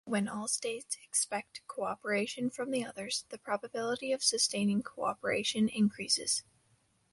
When all states expect cooperation from the others, the probability of sustaining cooperation increases.